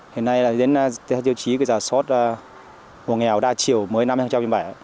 hiện nay là đến tiêu chí cái giá số hộ nghèo đa chiều mới năm mươi trên bãi